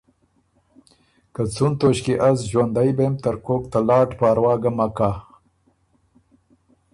که څُون توݭکيې از ݫوندئ بېم ترکوک ته لاټ پاروا ګۀ مک کۀ۔